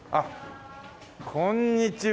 こんにちは。